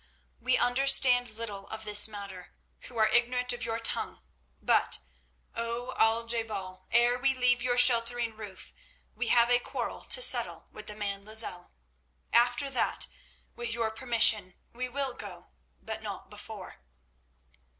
"We understand little of this matter, who are ignorant of your tongue, but, O Al je bal, ere we leave your sheltering roof we have a quarrel to settle with the man Lozelle. After that, with your permission, we will go, but not before."